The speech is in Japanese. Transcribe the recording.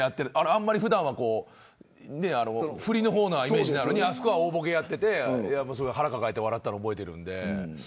あんまり普段は振りの方のイメージなのにあそこは大ボケをやってて腹を抱えて笑ったのを覚えているんで。